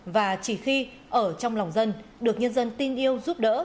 và chỉ khi ở trong lòng dân được nhân dân tin yêu giúp đỡ